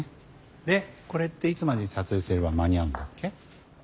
でこれっていつまでに撮影すれば間に合うんだっけ？